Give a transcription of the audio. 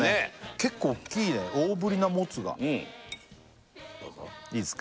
結構大きいね大ぶりなもつがどうぞいいすか？